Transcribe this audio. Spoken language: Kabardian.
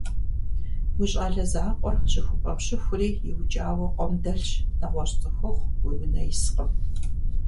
Уи щӀалэ закъуэр щыхупӀэм щыхури, иукӀауэ къуэм дэлъщ. НэгъуэщӀ цӀыхухъу уи унэ искъым.